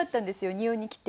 日本に来て。